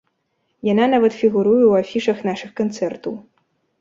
Яна нават фігуруе ў афішах нашых канцэртаў.